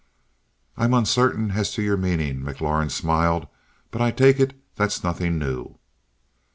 "I'm uncertain as to your meaning" McLaurin smiled "but I take it that's nothing new."